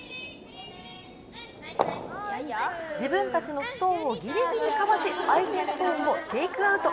自分たちのストーンをぎりぎりかわし相手ストーンをテイクアウト。